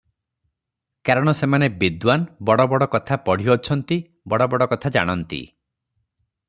କାରଣ ସେମାନେ ବିଦ୍ୱାନ୍, ବଡ଼ ବଡ଼ କଥା ପଢ଼ିଅଛନ୍ତି, ବଡ଼ ବଡ଼ କଥା ଜାଣନ୍ତି ।